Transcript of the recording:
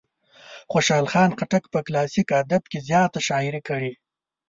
خوشال خان خټک په کلاسیک ادب کې زیاته شاعري کړې.